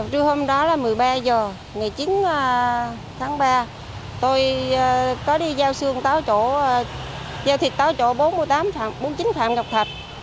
trưa hôm đó là một mươi ba h ngày chín tháng ba tôi có đi giao thịt táo chỗ bốn mươi chín phạm ngọc thạch